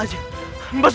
akan meng lira lira